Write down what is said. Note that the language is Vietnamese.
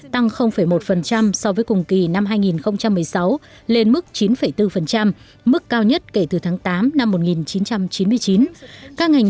tăng một so với cùng kỳ năm hai nghìn một mươi sáu lên mức chín bốn mức cao nhất kể từ tháng tám năm một nghìn chín trăm chín mươi chín